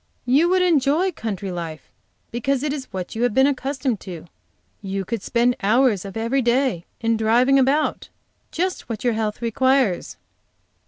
You would enjoy country life, because it is what you have been accustomed to; you could spend hours of every day in driving about; just what your health requires."